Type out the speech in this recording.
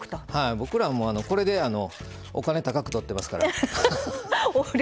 僕ら、これでお金、高く取ってますから。